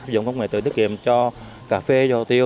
dùng công nghệ tưới tiết kiệm cho cà phê hồ tiêu